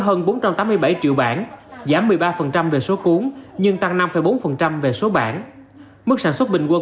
hơn bốn trăm tám mươi bảy triệu bản giảm một mươi ba về số cuốn nhưng tăng năm bốn về số bản mức sản xuất bình quân